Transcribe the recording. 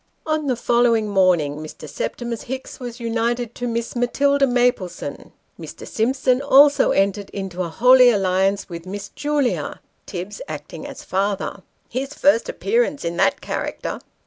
On the following morning, Mr. Septimus Hicks was united to Miss Matilda Maplesone. Mr. Simpson also entered into a " holy alliance " with Miss Julia ; Tibbs acting as father, " his first appearance in that character."